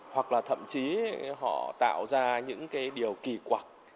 hoặc là thậm chí họ tạo ra những cái điều kỳ quặc